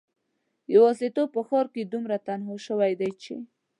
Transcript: یوازیتوب په ښار کې دومره تنها شوی دی چې